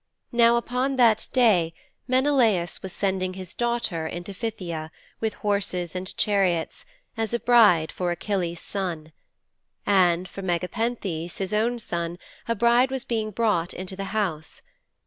Now upon that day Menelaus was sending his daughter into Phthia, with horses and chariots, as a bride for Achilles' son. And for Megapenthes, his own son, a bride was being brought into the house.